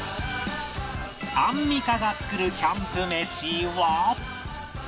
アンミカが作るキャンプ飯は？